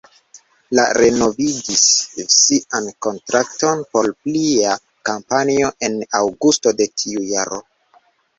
Li renovigis sian kontrakton por plia kampanjo en aŭgusto de tiu jaro.